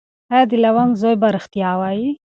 ایا د لونګ زوی به ریښتیا وایي؟